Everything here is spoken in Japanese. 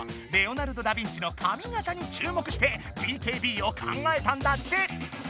レオナルド・ダビンチの髪型に注目してＢＫＢを考えたんだって。